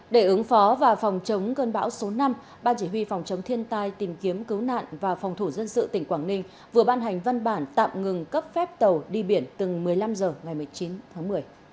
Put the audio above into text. để ứng phó và phòng chống cơn bão số năm ban chỉ huy phòng chống thiên tai tìm kiếm cứu nạn và phòng thủ dân sự tỉnh quảng ninh vừa ban hành văn bản tạm ngừng cấp phép tàu đi biển từng một mươi năm h ngày một mươi chín tháng một mươi